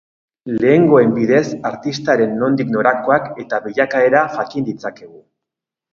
Lehenengoen bidez artistaren nondik norakoak eta bilakaera jakin ditzakegu.